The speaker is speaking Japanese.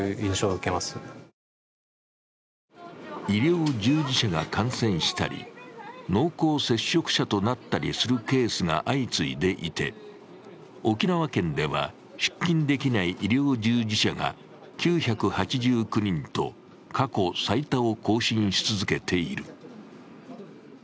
医療従事者が感染したり濃厚接触者となったりするケースが相次いでいて沖縄県では出勤できない医療従事者が９８９人と過去最多を更新し続けている。